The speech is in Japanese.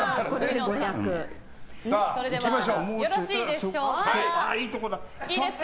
それではよろしいでしょうか。